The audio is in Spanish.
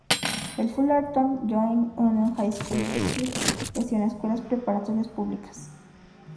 El "Fullerton Joint Union High School District" gestiona escuelas preparatorias públicas.